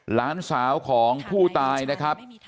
หลานสาวของผู้ตายนะครับ